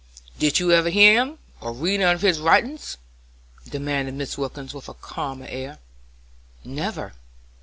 "Did you ever hear him, or read any of his writins?" demanded Mrs. Wilkins, with a calmer air. "Never."